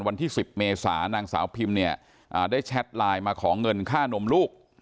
วันที่๑๐เมษานางสาวพิมเนี่ยได้แชทไลน์มาขอเงินค่านมลูก